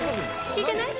聞いてない？